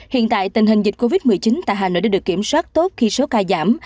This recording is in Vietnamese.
hiện tại tình hình dịch covid một mươi chín tại hà nội đã được kiểm soát tốt khi số ca giảm